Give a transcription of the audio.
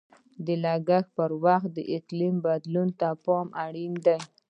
د کښت پر وخت د اقلیم بدلون ته پام اړین دی.